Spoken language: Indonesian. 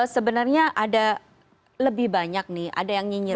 sebenarnya ada lebih banyak nih ada yang nyinyir